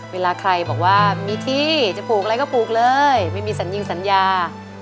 เวลาใครบอกว่ามีที่จะปลูกอะไรก็ปลูกเลยไม่มีสัญญิงสัญญา